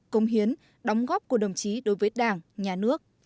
công hiến đóng góp của đồng chí đối với đảng nhà nước